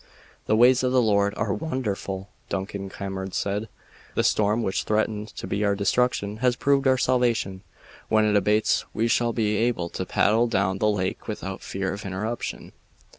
"The ways of the Lord are won'erful," Duncan Cameron said. "The storm which threatened to be our destruction has proved our salvation. When it abates we shall be able to paddle down the lake without fear of interruption."